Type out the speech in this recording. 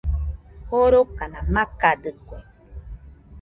Jorokana makadɨkue